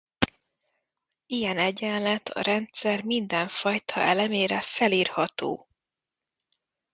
Ilyen egyenlet a rendszer minden fajta elemére felírható.